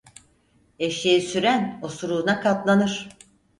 Eşeği süren osuruğuna katlanır.